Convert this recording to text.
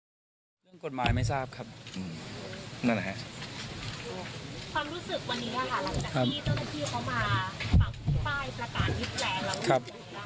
ก็รู้สึกดีใจครับที่ต่างมันจะได้ถูกต้องทั้งทีครับ